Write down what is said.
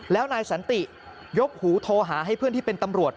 แล้วนายสันติยกหูโทรหาให้เพื่อนที่เป็นตำรวจ